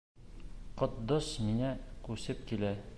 Ҡотдос миңә күсеп килә.